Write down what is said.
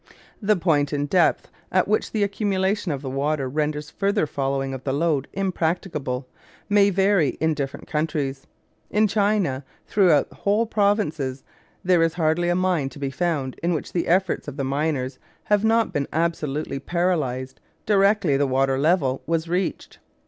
The point in depth at which the accumulation of the water renders further following of the lode impracticable may vary in different countries. In China, throughout whole provinces, there is hardly a mine to be found in which the efforts of the miners have not been absolutely paralyzed directly the water level was reached.